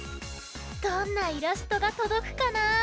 どんなイラストがとどくかな？